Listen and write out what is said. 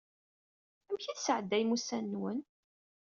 Amek i tesɛeddayem ussan-nwen?